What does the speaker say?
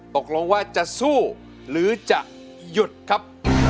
ตกลงว่าจะสู้หรือจะหยุดครับ